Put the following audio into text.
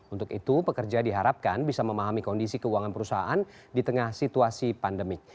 untuk itu pekerja diharapkan bisa memahami kondisi keuangan perusahaan di tengah situasi pandemik